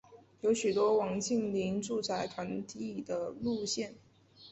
有许多网近邻住宅团地的路线。